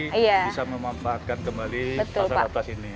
bisa memanfaatkan kembali pasar atas ini